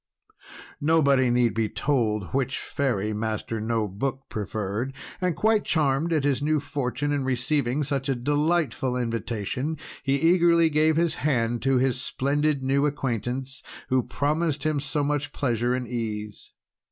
Nobody need be told which Fairy Master No Book preferred. And quite charmed at his good fortune in receiving such a delightful invitation, he eagerly gave his hand to his splendid new acquaintance, who promised him so much pleasure and ease.